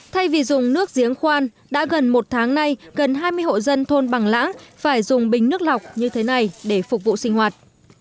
thay vì dùng nước giếng khoan đã gần một tháng nay gần hai mươi hộ dân thôn bằng lãng phải dùng bình nước lọc như thế này để phục vụ sinh hoạt